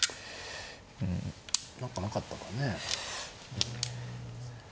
何かなかったかね？